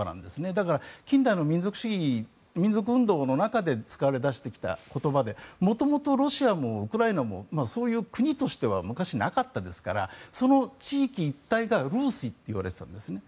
だから、近代の民族運動の中で使われ出してきた言葉で元々、ロシアもウクライナもそういう国としては昔、なかったですからその地域一帯がルーシって言われていたんですね。